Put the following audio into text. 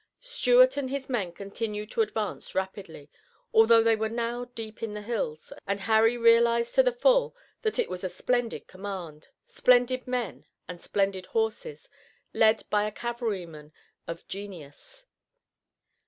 Stuart and his men continued to advance rapidly, although they were now deep in the hills, and Harry realized to the full that it was a splendid command, splendid men and splendid horses, led by a cavalryman of genius.